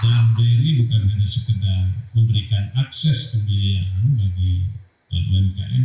dan bri bukan hanya sekedar memberikan akses kebiayaan bagi umkm